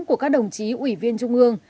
của các đồng chí ủy viên trung ương